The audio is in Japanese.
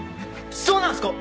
そうなんすか？